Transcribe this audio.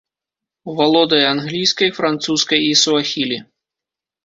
Валодае англійскай, французскай і суахілі.